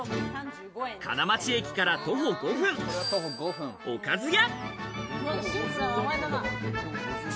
金町駅から徒歩５分、おかず屋。